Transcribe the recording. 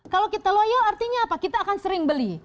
kalau kita loyal artinya apa kita akan sering beli